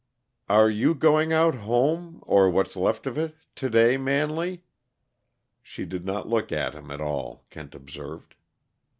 "Are you going out home or to what's left of it to day, Manley?" She did not look at him at all, Kent observed.